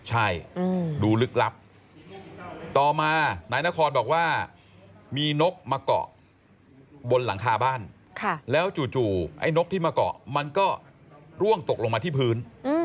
ใช่ดูลึกลับต่อมานายนครบอกว่ามีนกมาเกาะบนหลังคาบ้านแล้วจู่ไอ้นกที่มาเกาะมันก็ร่วงตกลงมาที่พื้น